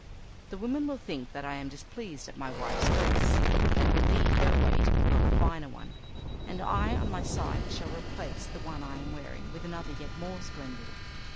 The women will think that I am displeased at my wife's dress and will lead her away to put on a finer one, and I on my side shall replace the one I am wearing with another yet more splendid.